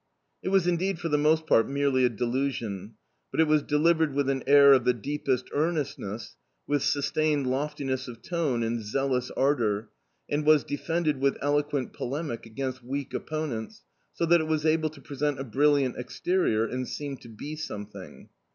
It was indeed for the most part merely a delusion, but it was delivered with an air of the deepest earnestness, with sustained loftiness of tone and zealous ardour, and was defended with eloquent polemic against weak opponents, so that it was able to present a brilliant exterior and seemed to be something.